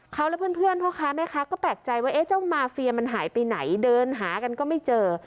เขาและเพื่อนพ่อค้าแม่ค้าก็แปลกใจว่าเจ้ามาเฟียมันหายไปไหนเดินหากันก็ไม่เจอ